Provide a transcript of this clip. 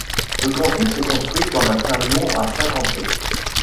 Le Cantus est construit comme un canon à cinq entrées.